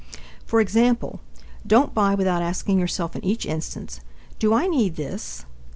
For example, don't buy without asking yourself in each instance: "Do I need this?"